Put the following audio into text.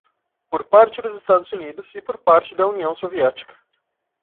por parte dos Estados Unidos e por parte da União Soviética.